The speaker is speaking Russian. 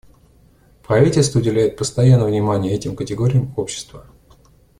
Правительство уделяет постоянное внимание этим категориям общества.